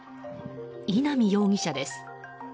稲見容疑者です。